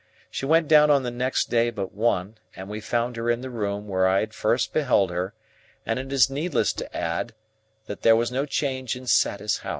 We went down on the next day but one, and we found her in the room where I had first beheld her, and it is needless to add that there was no change in Satis House.